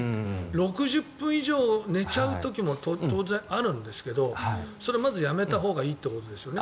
６０分以上寝ちゃう時も当然あるんですけどそれはまず、やめたほうがいいということですね。